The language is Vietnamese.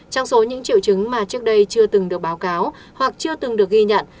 trong số những triệu chứng mà trước đây chưa từng được báo cáo hoặc chưa từng được ghi nhận